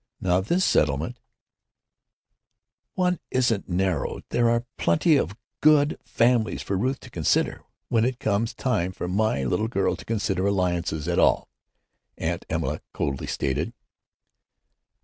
Now this settlement——" "One isn't narrowed. There are plenty of good families for Ruth to consider when it comes time for my little girl to consider alliances at all!" Aunt Emma coldly stated.